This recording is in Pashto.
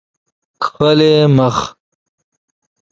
کښلی مخ